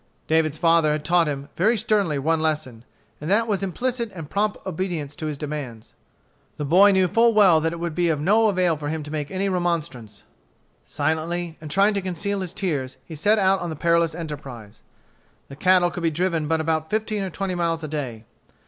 David's father had taught him, very sternly, one lesson, and that was implicit and prompt obedience to his demands. The boy knew full well that it would be of no avail for him to make any remonstrance. Silently, and trying to conceal his tears, he set out on the perilous enterprise. The cattle could be driven but about fifteen or twenty miles a day.